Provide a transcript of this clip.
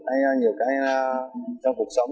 hay nhiều cái trong cuộc sống